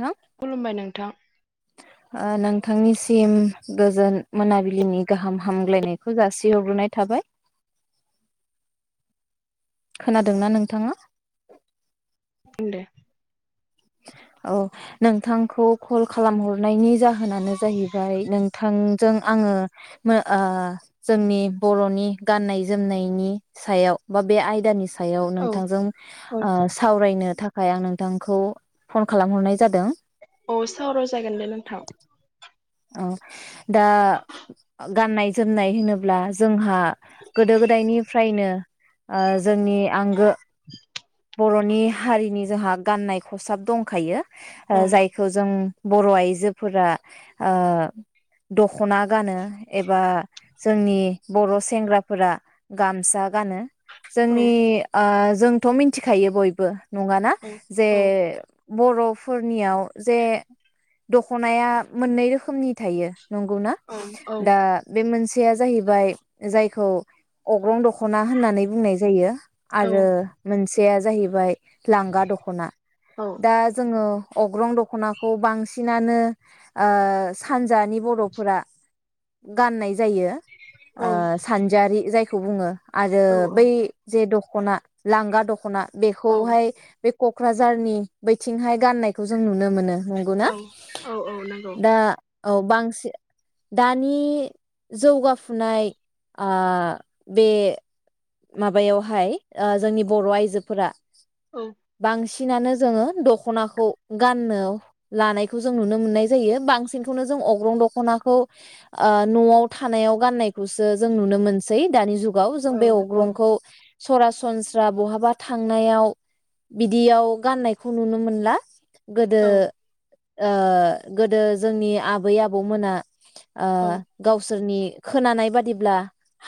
थां खुलुमबाय नोंथां। ओ नोंथांनिसिम गोजोन मोनाबिलिनि गाहाम हामग्लायनायखौ जासिहरग्रोनाय थाबाय। खोनादोंना नोंथाङा उम दे औ नोंथांखौ कल खालामहर हरनायनि जाहोनानो जाहैबाय नोंथां जों आङो मो ओ जोंनि बर'नि गाननाय जोमनायनि सायाव बा बे आयदानि सायाव औ नोंथांजों औ ओ सावरायनो थाखाय थाखाय आं नोंथांखौ फन खालामहरनाय जादों अ सावराव जागोन दे नोंथां औ दा गाननाय जोमनाय होनोब्ला जोंहा गोदो गोदायनिफ्रायनो ओ जोंनि आंगो बर नि हारिनि जोंहा गाननाय खसाब दंखायो ओ औ जायखौ जों बर' आइजोफोरा ओ दखना गानो एबा जोंनि बर' सेंग्राफोरा गामसा गानो औ जोंनि ओ जों थ मिन थिखायो बयबो नङाना? औ जे औ बरफोरनियाव जे दखनाया मोननै रोखोमनि थायो नंगौना औ दा बे मोनस सेया जाहैबाय जायखौ अग्रं दखना होननानै बुंनाय जायो औ आरो मोनसे सेया जाहैबाय लांगा दखना औ दा जोङो अग्रं दखनाखौ बांसिनानो ओ सान जानि बरफोरा गाननाय जायो ओ औ सानजारि जाय खौ बुङो आरो बै जे द खना लांगा दख खना बेखौहाय बे कक्राझारनि बैथिंहाय गाननायखौ जों नुनो मोनो नंगौना औ औ औ नंगौ दा औ बांसिन दानि जौगाफुनाय आ बे माबायावहाय आ जोंनि बर आइजोफोरा औ बांसिन सिनानो जोङो दखनाखौ गाननो लानायखौ जों नुनो मोननाय जायो बांसिनखौनो जों अग्रं दखनाखौ आ नआव थानायाव गाननायखौसो जों नुनो मोनसै दानि जुग गाव जों औ बेव औ ग्रंखौ सरासनस्रा बहाबा थांनायाव बिदियाव गाननायखौ नुनो मोनला गोदो औ ओ गोदो जोंनि आबै आबौ मोना ओ औ गावसोरनि खोनानाय बादिब्ला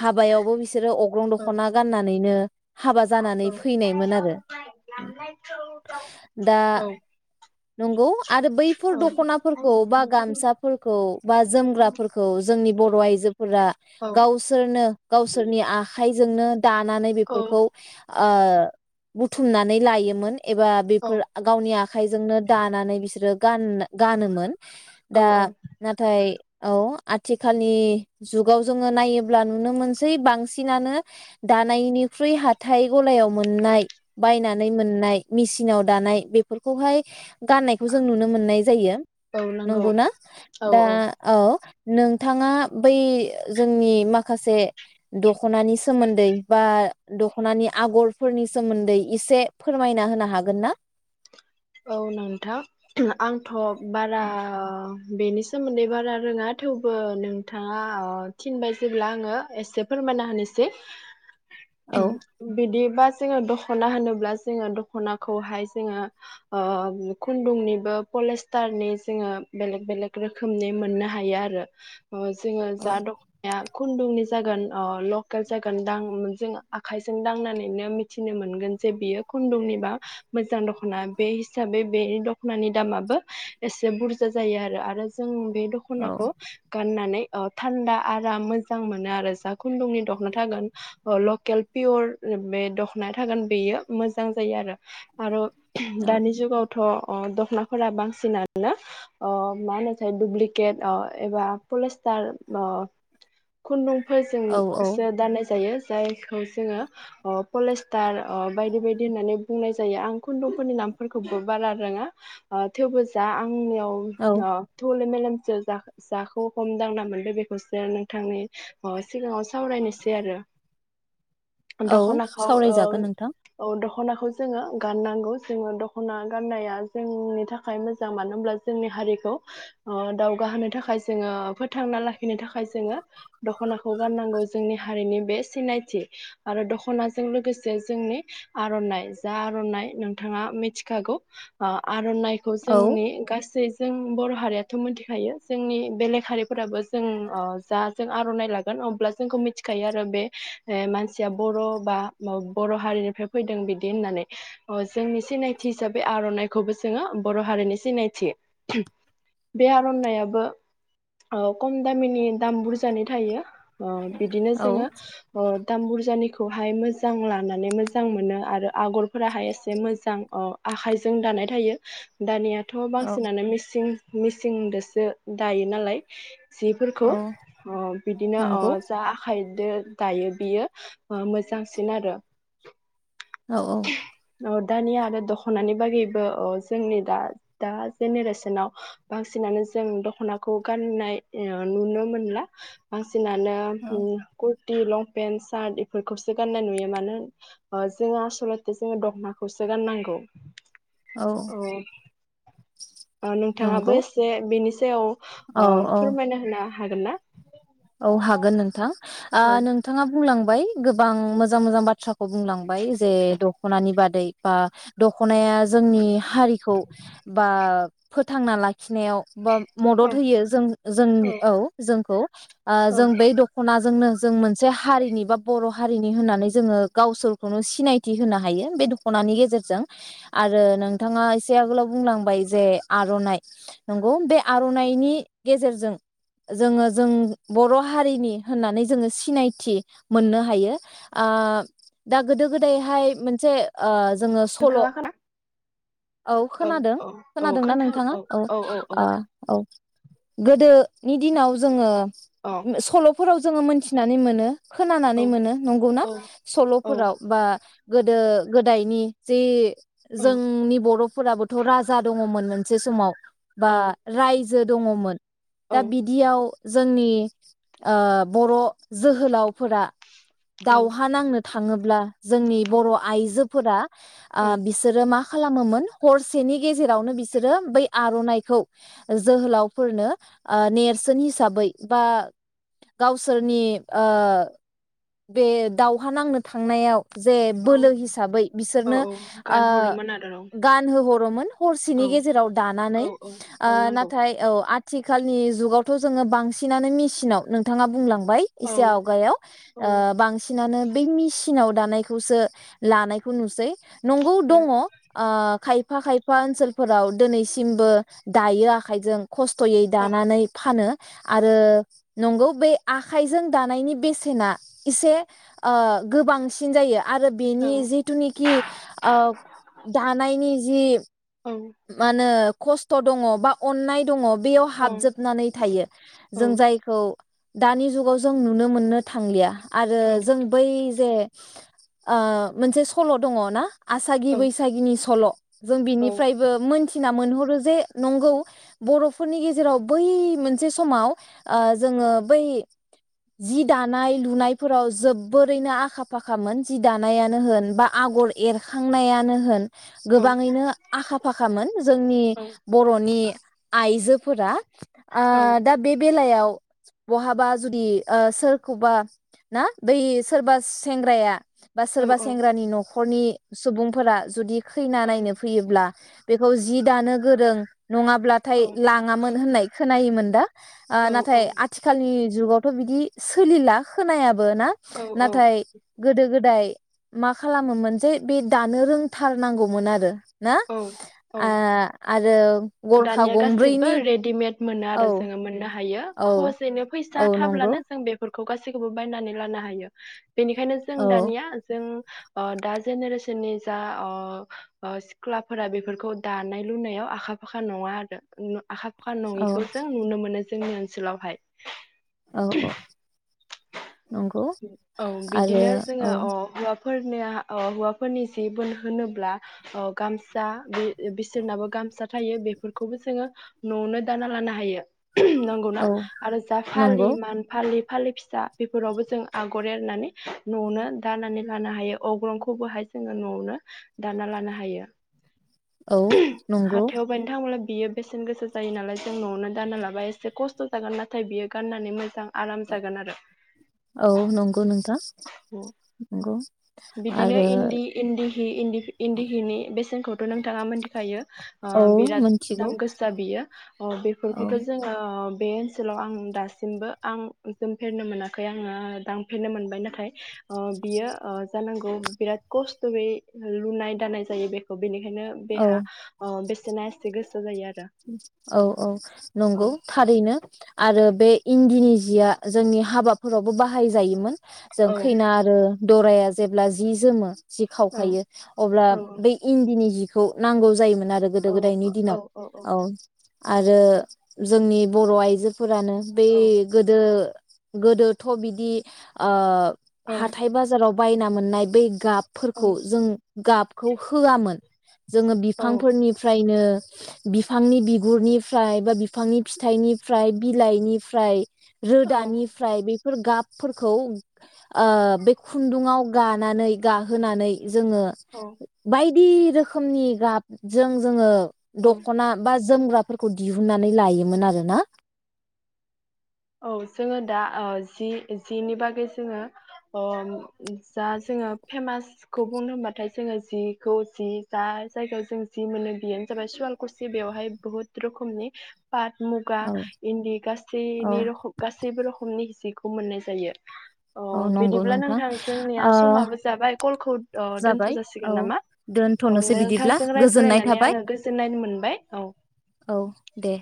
हाबायावबो बिसोरो अग्रं दख'ना गाननानैनो हाबा जानानै फैनायमोन आरो दा नंगौ आरो बैफोर दख'नाफोरखौ बा गामसाफोरखौ बा जोमग्राफोरखौ जोंनि बर' आइजो फोरा गावसोरनो गावसोरनि आखाइ जोंनो दानानै औ बेफोरखौ ओ बुथुमनानै लायोमोन। एबा बेफोर गावनि आखाइजोंनो दानानै बिसोरो गान-गानोमोन। औ दा नाथाय, औ आथिखालनि जुगाव जोङो नायोब्ला नुनो मोनसै बांसिनानो दानायनिख्रुइ हाथाय गलायाव मोननाय बायनानै मोननाय मेसिनाव दानाय बेफोरखौहाय गाननायखौ जों नुनो मोननाय जायो। औ नंगौ नंगौना? दा औ नोंथाङा बै जोंनि माखासे दख'नानि सोमोन्दै बा दख'नानि आगरफोरनि सोमोन्दै इसे फोरमायना होनो हागोन ना? औ नोंथां आंथ' बारा बेनि सोमोन्दै बारा रोङा थेवबो नोंथाङा थिनबाय जेब्ला आङो एसे फोरमायना होनोसै। औ बिदि बा जोङो दख'ना होनोब्ला जोङो दख'नाखौहाय जोङो खुन्दुंनिबो पलिस्टारनि जोङो बेलेग बेलेग रोखोमनि मोननो हायो आरो। जोङो औ जा दख'नाया खुन्दुंनि जागोन अ‌ लकेल जागोन दां जों आखायजों दांनानैनो मिथिनो मोनगोन जे बियो खुन्दुंनिबा मोजां दख'ना। बे हिसाबै बे दख'नानि दामाबो एसे बुरजा जायो आरो। आरो जों बे दखनाखौ औ गाननानै थान्दा आराम मोजां मोनो आरो जा खुन्दुंनि दख'ना थागोन लकेल पियर बे दख'ना थागोन बेयो मोजां जायो आरो। आरो दानि जुगावथ' अ दख'नाफोरा बांसिनानो अ माहोनो थाय दुुब्लिकेट आं एबा पलेस्टार अ खुन्दुं औ औ फोरजोंसो दाननाय जायो। जायखौ जोङो अ पलिस्टार अ बायदि बायदि होननानै बुंनाय जायो। आं खुन्दुं नि नामफोरखौबो बारा रोङा अ थेवबो जा औ आं- [unintelligible] मेलेमजों जा जाखौ हमदांना मोनदो बेखौसो नोंथांनि सिगाङाव सावरायनोसै आरो औ सावरायजागोन नोंथां खनाखौ जोङो गाननांगौ। जोङो दख'ना गाननाया जोंनि थाखाय मोजां मानो होनोमब्ला जोंनि हारिखौ अ दावगाहोनो थाखाय जोङो फोथांना लाखिनो थाखाय जोङो दख'नाखौ गाननांगौ जोंनि हारिनि बे सिनायथि आरो दख'नाजों लोगोसे जोंनि आर'नाइ जा आर'नाइ नोंथाङा मिथिखागौ आर'नाइखौ औ जोंनि गासै जों बर' हारियाथ' मिथिखायो जोंनि बेलेग हारिफोराबो जों जा जों आर'नाइ लागोन अब्ला जोंखौ मिथिखायो आरो बे मानसिया बर' बा बर' हारिनिफ्राय फैदों बिदि होननानै जोंनि सिनायथि हिसाबै आर'नाइखौबो जोङो बर' हारिनि सिनायथि बे आर'नाइाबो खम दामिनि दाम बुरजानि थायो। ओ बिदिनो औ जोङो ओ दाम बुरजानिखौहाय मोजां लानानै मोजां मोनो आरो आगरफोराहाय जे मोजां आखाइजों दानाय थायो। दानिया थ' औ बांसिनानो मेसिं मिसिंदोसो दायो नालाय जिफोरखौ औ अ बिदिनो अ नंगौ जा आखाय दायो बियो मोजांसिन आरो। औ औ दानि आरो दख'नानि बागैबो जोंनि दा दा जेनेरेसनाव बांसिनानो जों दख'नाखौ गाननाय नुनो मोनला बांसिन बांसिनानो औ ओम कु- ति लंपेन्ट सारत बेफोरखौसो गाननाय नुयो मानो जोङा आसलथे जोङो दखनाखौसो गाननांगौ। औ नोंथाङाबो नंगौ एसे बेनि तेव [unintelligible] अ औ औ फोरमायना होनना हागोन ना? औ हागोन नोंथां। ओ औ नोंथाङा बुंलां गोबां मोजां मोजां बाथ्राखौ बुंलांबाय जे दख'नानि बादै बा दख'नाया जोंनि हारिखौ बा फोथांना लाखिनायाव बा औ मदद होयो जों जों औ जोंखौ ओ औ जों बै दख'नाजोंनो जों मोनसे हारिनि बा बर' हारिनि होननानै जोङो गावसोरखौनो सिनायथि होनो हायो बे दख'नानि गेजेरजों आरो नोंथाङा एसे आगोलाव बुंलांबाय जे आर'नाइ नंगौ बे आर'नाइनि गेजेरजों जोङो जों बर' हारिनि होननानै जोङो सिनायथि मोननो हायो ओ दा गोदो गोदायहाय मोनसे ओ जोङो सल' नोंथाङा खोना औ खोनादों खोनादोंना नोंथाङा औ औ गोदो नि दिनाव जोङो औ सल' फोराव जोङो मोनथिनानै मोनो खोनानानै मोनो नंगौना औ औ सल'फोराव बा गोदो गोदायनि जि जोंनि बर'फोराबोथ' राजा दं दंमोन मोनसे समाव बा राइज जो दङमोन औ दा बिदियाव जोंनि ओ बर' जोहोलावफोरा औ दावहा नांनो थाङोब्ला जोंनि औ बर' आइजो फुरा ओ बिसोरो मा खालामोमोन हरसेनि गेजेरावनो बिसोरो बै आर'नाइखौ जोहोलावफोरनो ओ नेरसोन हिसाबै बा गावसोरनि ओ बे दावहा नांनो थांनायाव जे बोलो औ हिसाबै औ बिसोरनो औ ओ गानहरोमोन आरो गानहोहरोमोन औ हरसेनि गेजेराव औ दानानै औ ओ औ नंगौ नाथाय औ आथिखालनि जुगावथ' जोङो बांसिनानो मिसि फनाव नोंथाङा बुंलाङो बाय औ एसे आवगायाव औ बे मिसिनाव दानायखौसो लानायखौ नुसै नंगौ औ दङ ओ खाय खायफा खायफा ओनसोलफोराव दिनैसिमबो दायो आखाइजों खस्थ'यै औ दानानै फानो आरो नंगौ बे आखाइजों दानायनि बेसेना एसे गोबांसिन जायो आरो बेनि जिथुनिखि ओ दानायनि जि औ मानो खस्थ' दङ बा अननाय दङ बेयाव औ हाबजोबनानै थायो औ जों औ जायखौ दानि जुगाव जों नुनो मोननो थांलिया आरो जों बै जे ओ मोनसे सल' दङ ना आसागि बैसागिनि सल' जों बिनि फ्रायबो मोनसे ना मोनहरो जे नंगौ बर'फोरनि गेजेराव बै मोनसे समाव जोङो बै जि दानाय लुनायफोराव जोबोरैनो आखा फाखामोन जि दानायानो होन बा आगर एरखांनायानो होन गोबाङैनो आखा फाखामोन जोंनि बर'नि आइजोफोरा आ दा बे बेलायाव बहाबा जुदि सोरखौबा ना बै सोरबा सेंग्राया बा सोरबा सेंग्रानि न'खर न'खरनि सुबुंफोरा जुदि खैना नायनो फैयौब्ला बेखौ जि दानो गोरों नङाब्लाथाय लाङामोन होननाय खोनायोमोन दा ओ नाथाय आथिखालनि जुगावथ' बिदि सोलिला खोनाया बो ना औ नाथाय गोदो गो दाय मा खालामोमोनजे बे दानो रोंथारनांगौमोन आरो। ना औ औ आ-आरो दानिया गासैबो रेडिमेड मोनो औ आरो जोङो मोननो हायो। औ खहजैनो औ फैसा नंगौ थाब्लानो जों बेफोर खौ गासैखौबो बायनानै लानो हायो। बेनिखायनो जों औ दानिया जों अ दा जेनेरेसननि जा अ ओ सिख्लाफोरा बेफोरखौ दानाय लुनायाव आखा फाखा नङा आरो न आखा फाखा औ नङिखौ जों नुनो मोनो जे। जोंनि ओनसोलावहाय। औ औ। नंगौ आरो बिदिनो जोङो औ। अ फोरनिया औ हौवाफोरनि जि बोन होनोब्ला अ गामसा बि बिसोरनाबो गामसा। थायो बेफोरखौबो जोङो न'आवनो दाना लानो हायो। उहुम नोंगौना औ आरो जा फालि नंगौ मान फालि फालि फिसा बेफोरावबो जो आगर एरनानै न'आवनो दानानै लानो हायो अग्रंखौबोहाय जोङो न'आवनो दाना लानो हायो। औ नंगौ। हाथायाव बायनो थाङोब्ला बियो बेसेन गोसा जायो नालाय जों न'आवनो दाना लाबा एसे खस्थ' जागोन नाथाय बियो गाननानै मोजां आराम जागोन हो औ नंगौ नोंथां। [unintelligible] ओ। बिदिनो इन्दि इन्दिहि इन्दिफि इन्दिहिनि बेसेनखौ थ नोंथाङा मोनथि खायो अ औ बिराद मोनथिगौ दाम गोसा बियो अ औ बेफोरखौथ' जोङो ओम। बे ओनसोलाव आं दासिमबो आं जोमफेरनो मोनाखै आङो दांफेरनो मोनबाय नाथाय अ बियो अ। नोंगौ बिराद खस्थ'यै लुनाय दानाय जायो बेखौ। बिनिखायनो औ बेहा अ बेस सेनासथिग गोसो जायो आर उम औ औ नंगौ थारैनो। आरो बे इन्दिनि जिया जोंनि हाबाफोरावबो बाहायजायोमोन। जों औ खैना आरो दराया जेब्ला जि जोमो जि औ खावखायो अब्ला बै इन्दिनि जिख खौ नांगौ जायोमोन। नाआरो गोदो औ गोदायनि औ दिनाव। औ। आरो जोंनि बर' आइजो फोरानो बे औ गोदो गोदोथ' बिदि ओ औ हाथाय बाजाराव बायना मोननाय बै गाब फोरखौ जों गाबखौ होआमोन जोङो बिफांफोरनिफ्रायनो [inaudible] बिफांनि बिगुरनिफ्राय बा बिफांनि फिथाइनिफ्राय बिलाइनिफ्राय औ रोदानिफ्राय बे बे फोर गाबफोरखौ ओ बे खुन्दुंआव गानानै गाहोनानै जोङो औ बाय दि रोखोमनि गाबजों जोङो औ। दख'ना बा जोमग्राफोरखौ दिहुननानै लायोमोन आरो ना? औ जोङो दा ओ जि जिनि बागै जोङो जा जोङो फेमासखौ बुंनो होमबाथाय जोङो जिखौ जि जा जायगायाव जों जि मोनो बेयोनो जाबाय सवालकुसि बेवहाय बुहुत रोखोमनि पाट, मुगा औ आरो इन्दि गासै औ नि रख' गासैबो रोखोमनि जि [unintelligible] खौ मोननाय जायो। अ औ नंगौ बिदिब्ला नोंथां जोंनिया ओ समाबो जाबाय कलखौ दोन्थ' जाबाय औ जासिगोन नामा औ दोनथ'नोसै बिदिब्ला नोंथांजों गोजोननाय रायज्लायनानै थाबाय आङो गोजोननायनो मोनबाय औ। औ दे।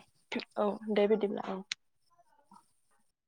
औ दे बिदिब्ला औ।